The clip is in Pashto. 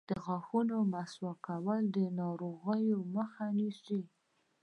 د غاښونو مسواک کول د ناروغیو مخه نیسي.